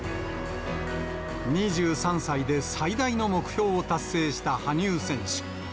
２３歳で最大の目標を達成した羽生選手。